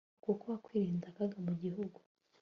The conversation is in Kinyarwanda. uko wakwirinda akaga mu gihugu